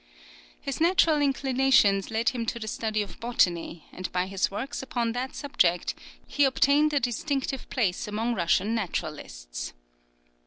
His natural inclinations led him to the study of botany, and by his works upon that subject he obtained a distinctive place among Russian naturalists.